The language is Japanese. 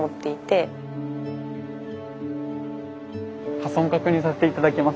破損確認させて頂きます。